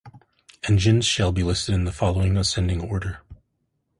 Engines shall be listed in the following "ascending" order.